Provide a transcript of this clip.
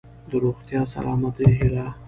د روغتیا ،سلامتۍ هيله .💡